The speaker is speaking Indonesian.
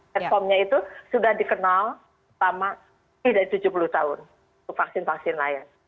platformnya itu sudah dikenal lama tidak tujuh puluh tahun vaksin vaksin lain